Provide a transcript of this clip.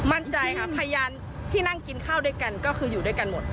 มั่นใจค่ะพยานที่นั่งกินข้าวด้วยกันก็คืออยู่ด้วยกันหมด